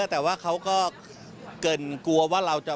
แต่ว่าเขาก็เกินกลัวว่าเราจะ